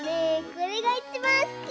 これがいちばんすき！